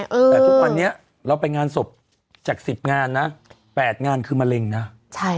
แต่ทุกวันนี้เราไปงานศพจาก๑๐งานนะ๘งานคือมะเร็งนะ